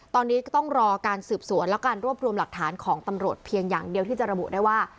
ตอนนี้ก็ต้องรอการสืบสวนและการรวบรวมหลักฐานของตำรวจเพียงอย่างเดียวที่จะระบุได้ว่า